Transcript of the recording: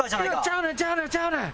ちゃうねんちゃうねんちゃうねん。